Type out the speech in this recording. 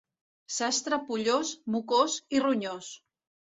Sastre pollós, mocós i ronyós.